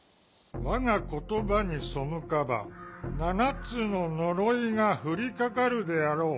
「我が言葉に背かば７つの呪いがふりかかるであろう。